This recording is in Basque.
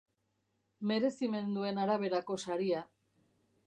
Merezimenduen araberako saria.